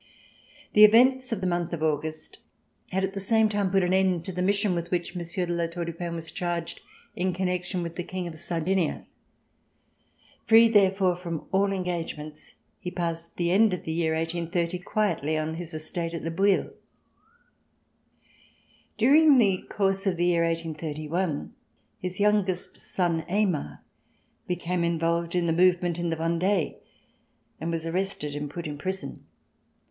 The events of the month of August had at the same time put an end to the mission with which Monsieur de La Tour du Pin was charged, in connec tion with the King of Sardinia. Free, therefore, from all engagements, he passed the end of the year 1830 quietly on his estate at Le Bouilh. During the course of the year 1831, his youngest son Aymar became involved in the movement in the Vendee and was arrested and put in prison.